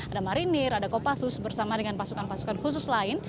ada marinir ada kopassus bersama dengan pasukan pasukan khusus lain